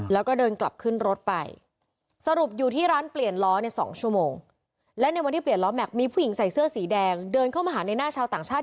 แล้วก็เดินกลับขึ้นรถไปสรุปอยู่ที่ร้านเปลี่ยนล้อใน๒ชั่วโมงและในวันที่เปลี่ยนล้อแม็กซมีผู้หญิงใส่เสื้อสีแดงเดินเข้ามาหาในหน้าชาวต่างชาติ